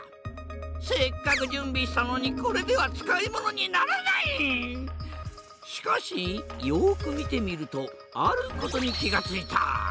せっかく準備したのにこれでは使い物にならない！しかしよく見てみるとあることに気が付いた。